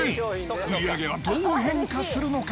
売り上げはどう変化するのか。